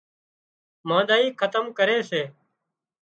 مانۮائي کتم ڪري سي